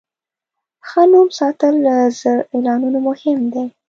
ښه نوم ساتل له زر اعلانونو مهم دی.